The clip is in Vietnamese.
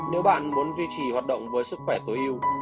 nếu bạn muốn duy trì hoạt động với sức khỏe tối yêu